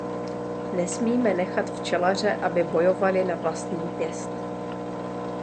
Nesmíme nechat včelaře, aby bojovali na vlastní pěst.